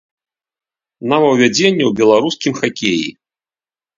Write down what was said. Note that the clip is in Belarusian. Новаўвядзенне ў беларускім хакеі.